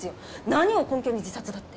何を根拠に自殺だって。